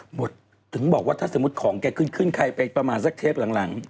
ถึงบอกว่าถ้าสมมุติของแกขึ้นขึ้นใครไปประมาณสักเทปหลัง